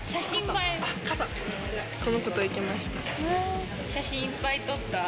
この子と行きました。